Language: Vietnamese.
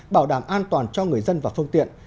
bảo đảm an toàn cho người dân và phương tiện